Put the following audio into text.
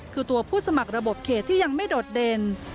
คือตัวผู้สมัครระบบเขตที่ยังไม่โดดเด่น